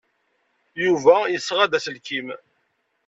Yuba yesɣa-d aselkim.